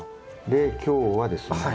で今日はですね